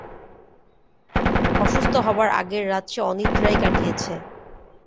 অসুস্থ হবার আগের রাত সে অনিদ্রায় কাটিয়েছে।